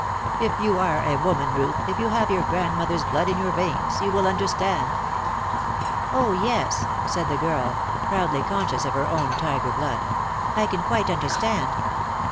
If you are a woman, Ruth, if you have your grandmother's blood in your veins, you will understand." "Oh, yes," said the girl, proudly conscious of her own tiger blood, "I can quite understand.